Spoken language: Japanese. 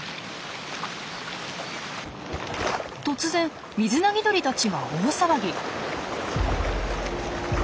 突然ミズナギドリたちが大騒ぎ。